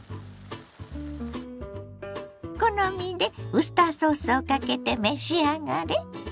好みでウスターソースをかけて召し上がれ。